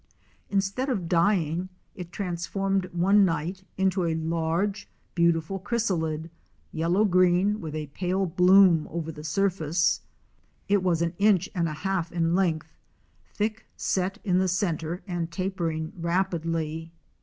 In stead of dying, it transformed one night into a large, beautiful chrysalid, yellow green with a pale bloom over the surface. It was an inch and a half in length, thick set in the centre and tapering rapidly.